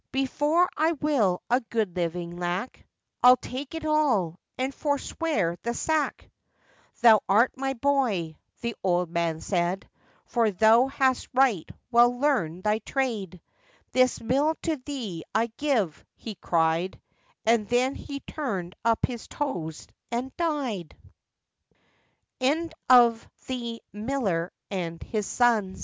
Before I will a good living lack, I'll take it all, and forswear the sack!' 'Thou art my boy!' the old man said, 'For thou hast right well learned thy trade; This mill to thee I give,' he cried,— And then he turned up his toes and di